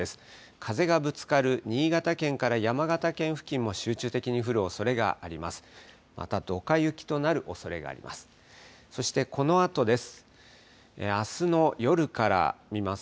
風がぶつかる新潟県から山形県付近も集中的に降るおそれがあります。